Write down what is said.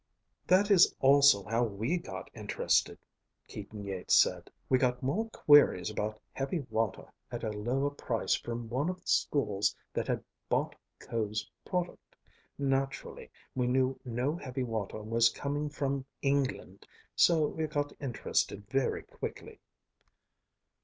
"That is also how we got interested," Keaton Yeats said. "We got queries about more heavy water at a lower price from one of the schools that had bought Ko's product. Naturally, we knew no heavy water was coming from England, so we got interested very quickly."